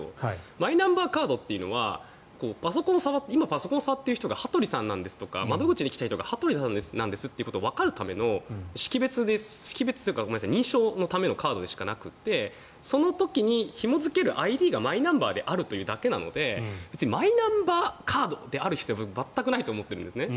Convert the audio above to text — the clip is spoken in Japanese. マイナンバーカードは今、パソコンを触っている人が羽鳥さんなんですとか窓口に来た人が羽鳥さんだとわかるための識別するための認証のためのカードでしかなくてその時にひも付けるＩＤがマイナンバーであるというだけなので別にマイナンバーカードである必要が全くないと思っているんですね。